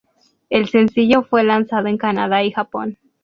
El sencillo fue lanzado en Canadá y Japón.